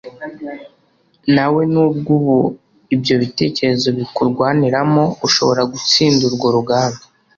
nawe nubwo ubu ibyo bitekerezo bikurwaniramo ushobora gutsinda urwo rugamba